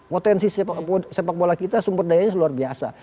potensi sepak bola kita sumber dayanya luar biasa